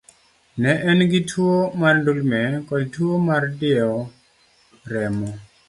Ne en gi tuwo mar ndulme kod tuwo mar diewo remo.